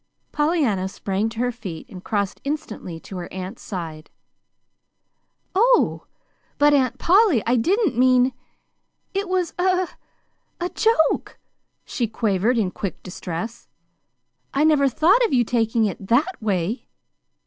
Pollyanna sprang to her feet and crossed instantly to her aunt's side. "Oh, but Aunt Polly, I didn't mean It was just a a joke," she quavered in quick distress. "I never thought of your taking it THAT way."